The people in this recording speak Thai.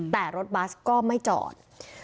แต่รถบัสก็ไม่จอด